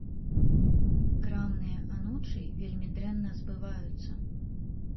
Крамныя анучы вельмі дрэнна збываюцца.